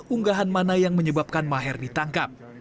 unggahan mana yang menyebabkan maher ditangkap